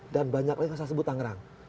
dan banyak lagi yang saya sebut tangerang